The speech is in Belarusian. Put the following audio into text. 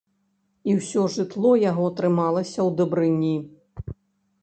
І ўсё жытло яго трымалася ў дабрыні.